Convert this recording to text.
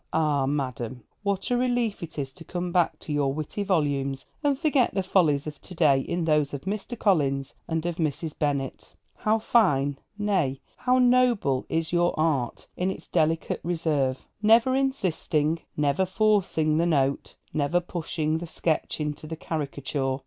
Ah, madam, what a relief it is to come back to your witty volumes, and forget the follies of to day in those of Mr. Collins and of Mrs. Bennet! How fine, nay, how noble is your art in its delicate reserve, never insisting, never forcing the note, never pushing the sketch into the caricature!